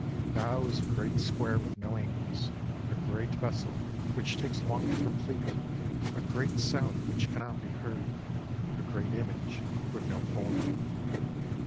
Tao is a great square with no angles, a great vessel which takes long to complete, a great sound which cannot b^ heard, a great image with no form.